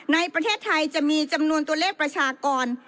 ในประเทศไทยจะมีจำนวนตัวเลขประชากร